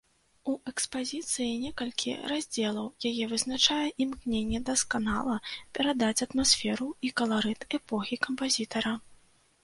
У экспазіцыі некалькі раздзелаў, яе вызначае імкненне дасканала перадаць атмасферу і каларыт эпохі кампазітара.